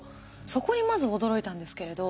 そこにまず驚いたんですけれど。